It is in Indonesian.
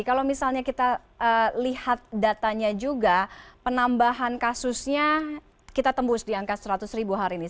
kalau misalnya kita lihat datanya juga penambahan kasusnya kita tembus di angka seratus ribu hari ini